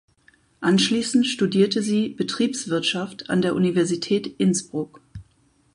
Anschließend studierte sie Betriebswirtschaft an der Universität Innsbruck.